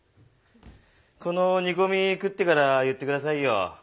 この煮込み食ってから言って下さいよ。